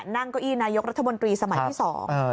นั่งเก้าอี้นายกรัฐมนตรีสมัยที่สอง